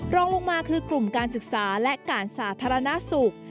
รองลงมาคือกลุ่มการศึกษาและการสาธารณสุข